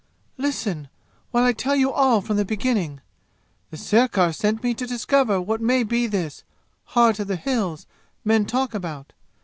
"Listen, while I tell you all from the beginning! The sirkar sent me to discover what may be this 'Heart of the Hills' men talk about.